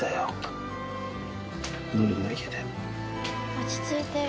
落ち着いてる。